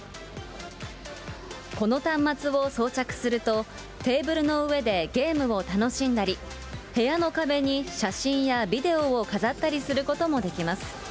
この端末を装着すると、テーブルの上でゲームを楽しんだり、部屋の壁に写真やビデオを飾ったりすることもできます。